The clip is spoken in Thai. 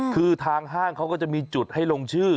คือทางห้างเขาก็จะมีจุดให้ลงชื่อ